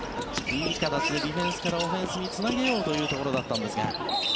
いい形でディフェンスからオフェンスへつなげようというところでしたが。